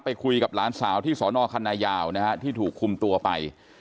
คุยกับหลานสาวที่สอนอคันนายาวนะฮะที่ถูกคุมตัวไป